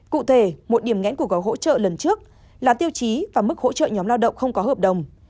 cụ thể một điểm ngẽn của gói hỗ trợ lần trước là tiêu chí và mức hỗ trợ nhóm lao động không có hợp đồng